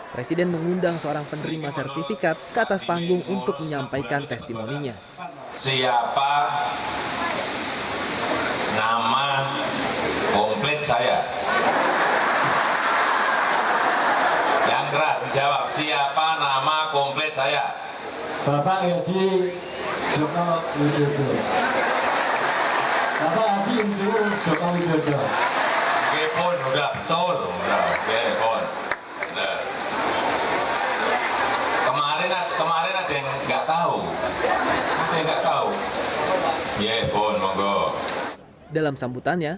presiden mengundang seorang penerima sertifikat ke atas panggung untuk menyampaikan testimoninya